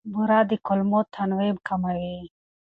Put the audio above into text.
بوره د کولمو تنوع کموي.